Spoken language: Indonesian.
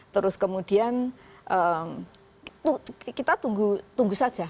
terus kemudian kita tunggu saja